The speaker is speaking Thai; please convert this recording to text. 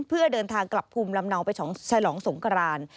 เพื่อเดินทางกลับภูมิลำเนาไปฉลองสงคราน